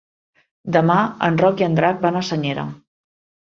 Demà en Roc i en Drac van a Senyera.